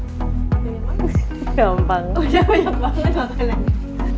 udah banyak banget